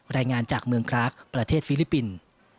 รายงานจากเมืองครากประเทศฟิลิปปินส์